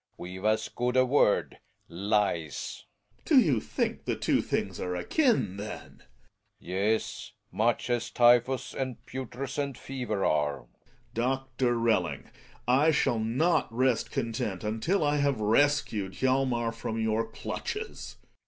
'* We'v e as good a word, "lies. '* Gregers. Do you thi^k the two things are akin, then ? Belling. Yes, much as typhus and putrescent f everare. Gregers. Doctor Belling, I shall not rest content until I have rescued Hjalmer from your clutches